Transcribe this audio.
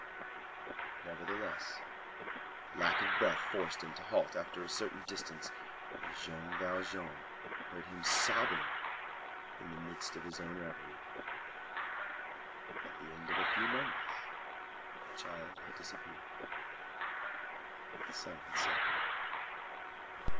Nevertheless, lack of breath forced him to halt after a certain distance, and Jean Valjean heard him sobbing, in the midst of his own reverie. At the end of a few moments the child had disappeared. The sun had set.